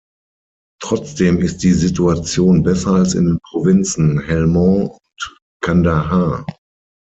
Trotzdem ist die Situation besser als in den Provinzen Helmand und Kandahar.